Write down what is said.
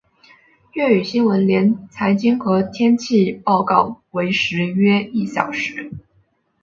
粤语新闻连财经和天气报告为时约一小时。